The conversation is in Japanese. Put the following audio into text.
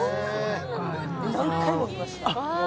何回も見ました。